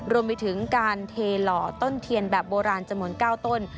รวมไปถึงการเทหล่อต้นเทียนแบบโบราณจำนวน๙ต้น